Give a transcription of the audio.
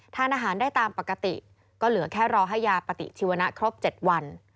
ทานอาหารได้ตามปกติก็เหลือแค่รอให้ยาปฏิชีวนะครบ๗วัน